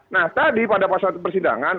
nah tadi pada pasal persidangan